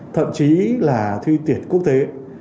thậm chí là thi tuyển quốc tế